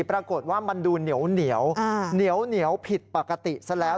ปรากฏว่ามันดูเหนียวผิดปกติเสร็จแล้ว